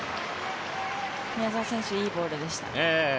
宮澤選手いいボールでした。